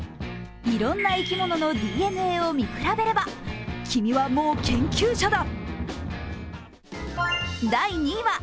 いろんな生き物のＤＮＡを見比べれば君はもう研究者だ！